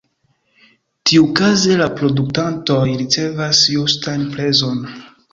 Tiukaze la produktantoj ricevas justan prezon.